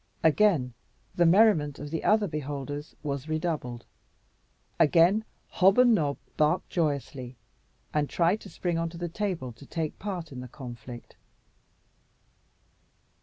Again the merriment of the other beholders was redoubled. Again Hob and Nob barked joyously, and tried to spring on to the table to take part in the conflict.